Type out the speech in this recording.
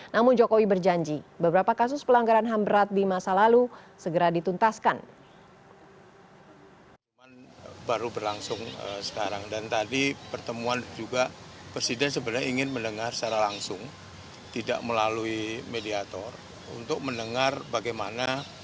namun jokowi berjanji beberapa kasus pelanggaran ham berat di masa lalu segera dituntaskan